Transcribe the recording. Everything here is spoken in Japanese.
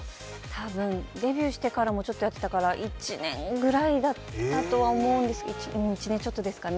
多分デビューしてからもちょっとやってたから、１年ぐらいだったと思うんですけど１年ちょっとぐらいですかね。